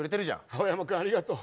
青山君ありがとう。